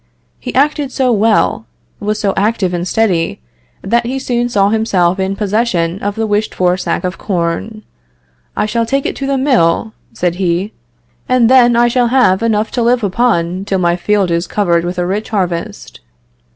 He acted so well, was so active and steady, that he soon saw himself in possession of the wished for sack of corn. "I shall take it to the mill," said he, "and then I shall have enough to live upon till my field is covered with a rich harvest."